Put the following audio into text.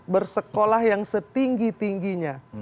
bersekolah yang setinggi tingginya